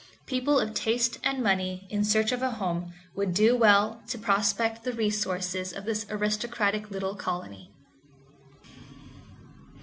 People of taste and money in search of a home would do well to prospect the resources of this aristocratic little colony.